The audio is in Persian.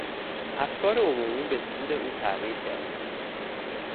افکار عمومی به سود او تغییر کردهاست.